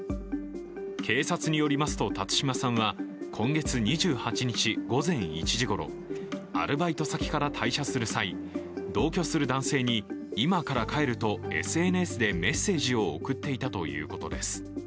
警察によりますと、辰島さんは今月２８日午前１時ごろ、アルバイト先から退社する際、同居する男性に今から帰るとＳＮＳでメッセージを送っていたということです。